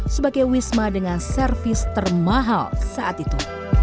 sebagai wisma dengan servis termahal saat itu